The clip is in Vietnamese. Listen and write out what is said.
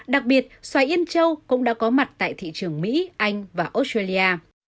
đặc biệt xoài yên châu cũng đã có mặt tại thị trường mỹ anh và australia